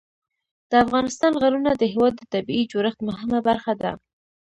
د افغانستان غرونه د هېواد د طبیعي جوړښت مهمه برخه ده.